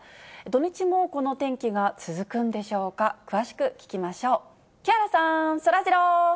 土日もこの天気が続くんでしょうか、詳しく聞きましょう。